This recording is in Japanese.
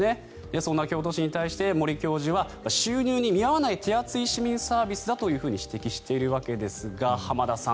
そんな京都市に対して森教授は収入に見合わない手厚い市民サービスだと指摘しているわけですが浜田さん